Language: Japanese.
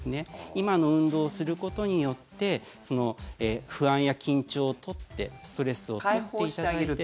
今の運動をすることによって不安や緊張を取ってストレスを取っていただいて。